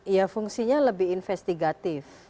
ya fungsinya lebih investigatif